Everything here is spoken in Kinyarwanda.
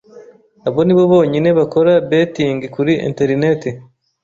abo nibo bonyine bakora 'betting' kuri Internet,